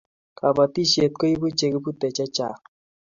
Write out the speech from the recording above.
kabatishiet koibu chekibute chechang